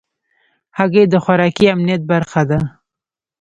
هګۍ د خوراکي امنیت برخه ده.